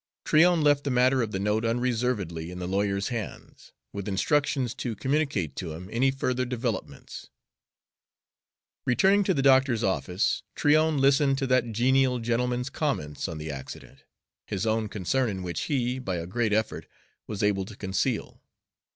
Tryon left the matter of the note unreservedly in the lawyer's hands, with instructions to communicate to him any further developments. Returning to the doctor's office, Tryon listened to that genial gentleman's comments on the accident, his own concern in which he, by a great effort, was able to conceal.